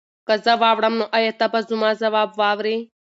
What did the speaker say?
که زه واوړم نو ایا ته به زما ځواب واورې؟